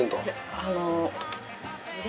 あの。